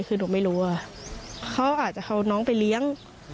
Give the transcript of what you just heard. คือหนูไม่รู้ว่าเขาอาจจะเอาน้องไปเลี้ยง